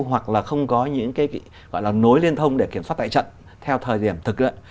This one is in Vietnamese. hoặc là không có những cái gọi là nối liên thông để kiểm soát tại trận theo thời điểm thực luyện